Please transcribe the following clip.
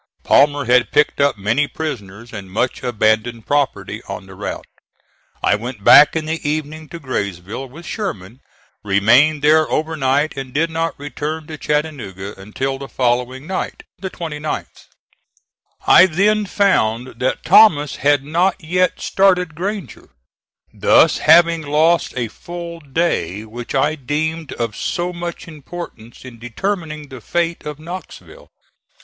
Palmer had picked up many prisoners and much abandoned property on the route. I went back in the evening to Graysville with Sherman, remained there over night and did not return to Chattanooga until the following night, the 29th. I then found that Thomas had not yet started Granger, thus having lost a full day which I deemed of so much importance in determining the fate of Knoxville.